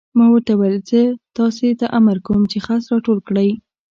ما ورته وویل: زه تاسې ته امر کوم چې خس را ټول کړئ.